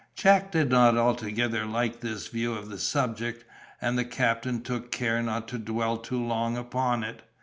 Jack did not altogether like this view of the subject, and the captain took care not to dwell too long upon it.